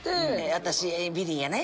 私ビリやね。